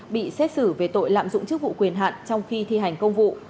bị xét xử về tội lạm dụng chức vụ quyền hạn trong khi thi hành công vụ